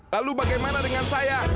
lalu bagaimana dengan saya